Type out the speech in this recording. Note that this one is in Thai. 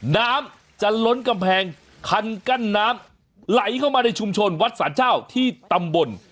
น้ำจะล้นกำแพงคันกั้นน้ำไหลเข้ามาในชุมชนวัดสารเจ้าที่ตำบล